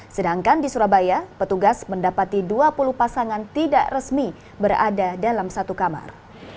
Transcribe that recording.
sedangkan di surabaya petugas mendapati dua puluh pasangan tidak resmi berada dalam satu kamar